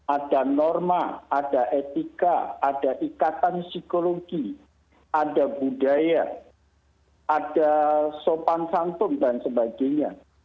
ada norma ada etika ada ikatan psikologi ada budaya ada sopan santun dan sebagainya